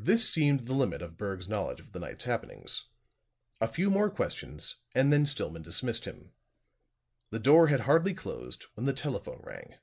This seemed the limit of Berg's knowledge of the night's happenings; a few more questions and then Stillman dismissed him. The door had hardly closed when the telephone rang.